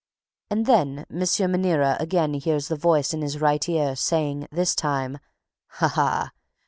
And then M. Maniera again hears the voice in his right ear, saying, this time, 'Ha, ha!